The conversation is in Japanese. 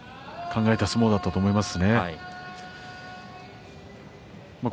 考えた相撲だったと思います。